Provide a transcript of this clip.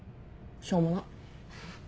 しょうもな！